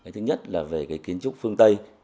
thứ nhất là về cái kiến trúc phương tây